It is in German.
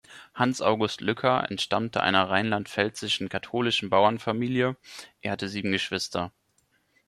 Hans August Lücker entstammte einer rheinland-pfälzischen katholischen Bauernfamilie; er hatte sieben Geschwister.